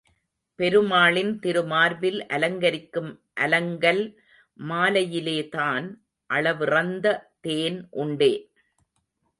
பெருமாளின் திருமார்பில் அலங்கரிக்கும் அலங்கல் மாலையிலேதான் அளவிறந்த தேன் உண்டே.